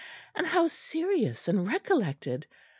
and how serious and recollected!